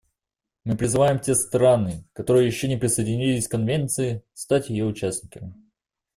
Мы призываем те страны, которые еще не присоединились к Конвенции, стать ее участниками.